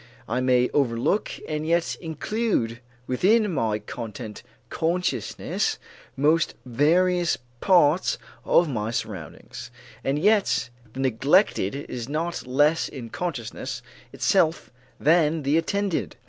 I may overlook and yet include within my content of consciousness most various parts of my surroundings; and yet the neglected is not less in consciousness itself than the attended.